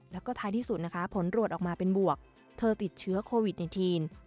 แล้วก็ท้ายที่สุดนะคะผลตรวจออกมาเป็นบวกเธอติดเชื้อโควิด๑๙